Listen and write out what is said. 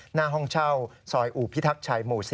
หน้าห้องเช่าซอยอู่พิทักษ์ชัยหมู่๔